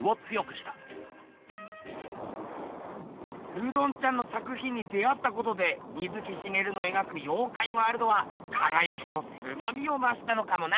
ルドンちゃんの作ひんに出会ったことで水木しげるの描く妖怪ワールドはかがやきとすごみをましたのかもな。